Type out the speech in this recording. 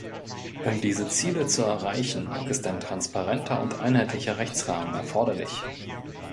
Um diese Ziele zu erreichen, ist ein transparenter und einheitlicher Rechtsrahmen erforderlich.